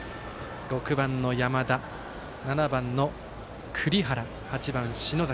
６番の山田、７番の栗原８番、篠崎。